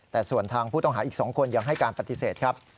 แต่ส่วนทางผู้ต้องหาอีก๒คนยังให้การปฏิเสธครับ